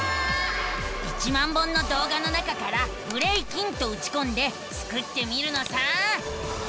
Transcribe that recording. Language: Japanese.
１万本のどうがの中から「ブレイキン」とうちこんでスクってみるのさ！